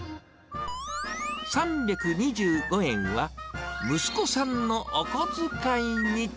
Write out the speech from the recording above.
３２５円は、息子さんのお小遣いに。